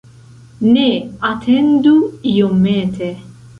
Ne, atendu iomete!